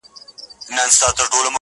یادوي به مي هر څوک په بد ویلو؛